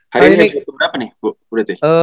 hari ini berapa nih bu